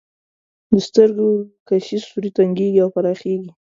د سترګو کسي سوری تنګیږي او پراخیږي.